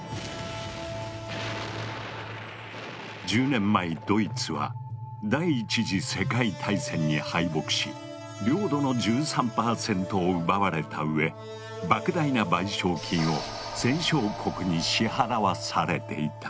１０年前ドイツは第一次世界大戦に敗北し領土の１３％を奪われたうえ莫大な賠償金を戦勝国に支払わされていた。